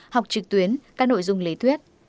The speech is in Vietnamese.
học trực tuyến các nội dung lý thuyết